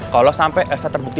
kalo sampe elsa terbukti